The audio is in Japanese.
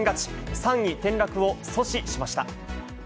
３位転落を阻止しました。